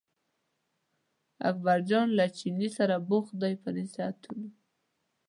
اکبرجان له چیني سره بوخت دی په نصیحتونو.